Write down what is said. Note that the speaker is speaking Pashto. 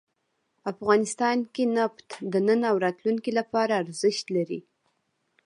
افغانستان کې نفت د نن او راتلونکي لپاره ارزښت لري.